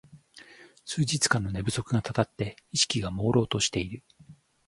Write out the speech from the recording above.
数日間の寝不足がたたって意識がもうろうとしている